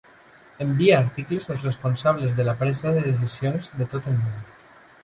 Envia articles als responsables de la presa de decisions de tot el món.